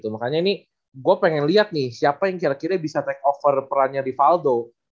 makanya ini gue pengen lihat nih siapa yang kira kira bisa take over perannya rivaldo